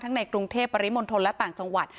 ในกรุงเทพปริมณฑลและต่างจังหวัด